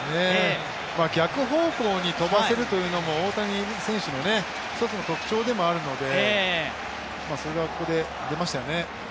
逆方向に飛ばせるというのも大谷選手の一つの特徴でもあるので、それがここで出ましたよね。